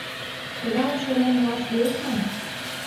— Тыгайым шонен муаш лиеш мо?..